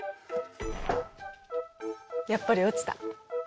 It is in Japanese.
やっぱり落ちた。